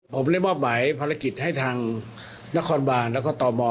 ผมได้มอบหมายภารกิจให้ทางนครบานแล้วก็ตม